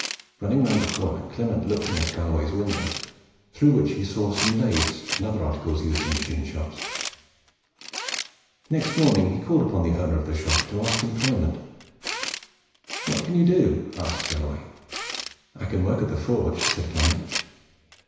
Running round the corner, Clement looked in at Galloway's window, through which he saw some lathes and other articles used in machine shops. Next morning he called upon the owner of the shop to ask employment. "What can you do?" asked Galloway. "I can work at the forge," said Clement.